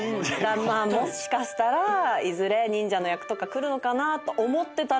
もしかしたらいずれ忍者の役とか来るのかなと思ってたら今回！